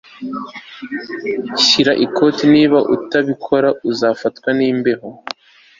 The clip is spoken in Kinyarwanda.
Shyira ikote Niba utabikora uzafatwa nimbeho